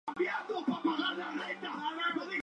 Ha sido promotora de la actividad política de las mujeres.